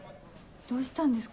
どうしたんですか？